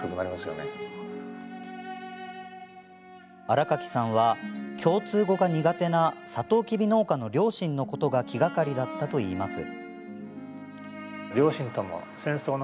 新垣さんは共通語が苦手なさとうきび農家の両親のことが気がかりだったといいます。